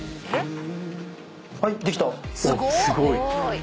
すごい！